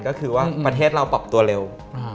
ก็คือว่าประเทศเราปรับตัวเร็ว